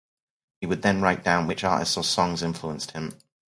He would then write down which artists or songs influenced him.